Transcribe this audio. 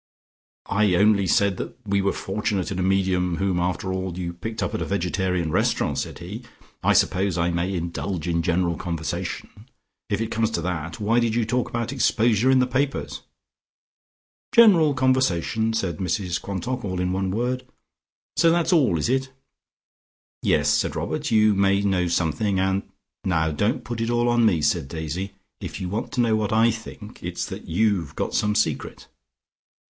"I only said that we were fortunate in a medium whom after all you picked up at a vegetarian restaurant," said he. "I suppose I may indulge in general conversation. If it comes to that, why did you talk about exposure in the papers?" "General conversation," said Mrs Quantock all in one word. "So that's all, is it?" "Yes," said Robert, "you may know something, and " "Now don't put it all on me," said Daisy. "If you want to know what I think, it is that you've got some secret."